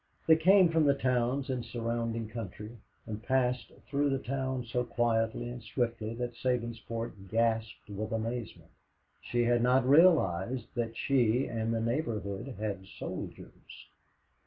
They came from the towns and surrounding country, and passed through the town so quietly and swiftly that Sabinsport gasped with amazement. She had not realized that she and the neighborhood had soldiers.